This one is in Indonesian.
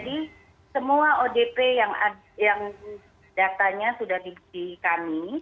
jadi semua odp yang datanya sudah diberikan kami